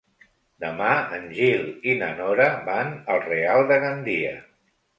Demà en Gil i na Nora van al Real de Gandia.